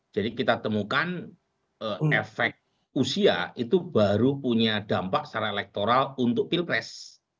jadi kita temukan efek usia itu baru punya dampak secara elektoral untuk pilpres